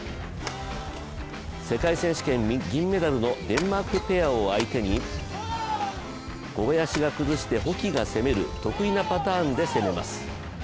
世界選手権銀メダルのデンマークペアを相手に小林が崩して保木が攻める、得意のパターンで攻めます。